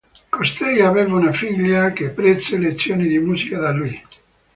Costei aveva una figlia, che prese lezioni di musica da lui.